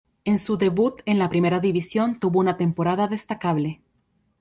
En su debut en la Primera División tuvo una temporada destacable.